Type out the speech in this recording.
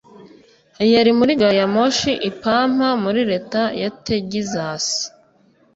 yari muri gari ya moshi i Pampa muri leta ya Tegizasi